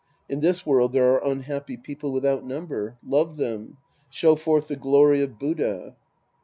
In this world, there are unhappy people without number. Love them. Show forth the glory of Buddha.